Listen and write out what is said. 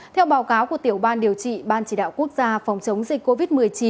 theo báo cáo của tiểu ban điều trị ban chỉ đạo quốc gia phòng chống dịch covid một mươi chín